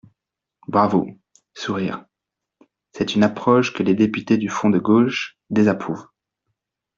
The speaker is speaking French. Bravo ! (Sourires.) C’est une approche que les députés du Front de gauche désapprouvent.